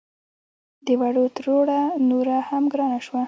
د وړو تروړه نوره هم ګرانه شوه